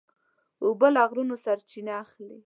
اوبه له غرونو سرچینه اخلي.